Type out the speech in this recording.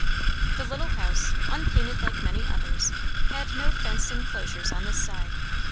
The little house, unpainted like many others, had no fenced enclosure on this side.